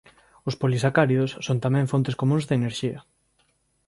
Os polisacáridos son tamén fontes comúns de enerxía.